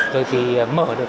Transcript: rồi thì mở được